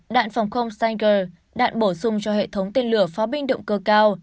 đạn phòng không sanger đạn bổ sung cho hệ thống tiên lửa pháo binh động cơ cao